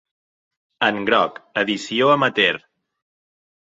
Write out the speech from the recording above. En groc: edició amateur.